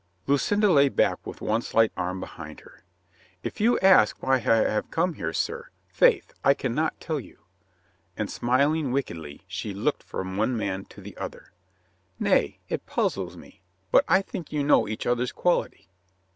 Lucinda lay back with one slight arm behind her head. "If you ask why I have come here, sir, faith, I can not tell you," and, smiling wickedly, she looked from one man to the other. "Nay, it puzzles me. But I think you know each other's quality."